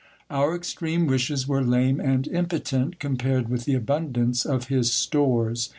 Our extreme wishes were lame and impotent, compared with the abundance of his stores.